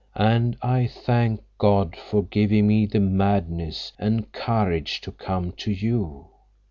"And I thank God for giving me the madness and courage to come to you.